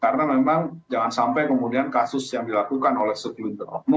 karena memang jangan sampai kemudian kasus yang dilakukan oleh sekilun terhormon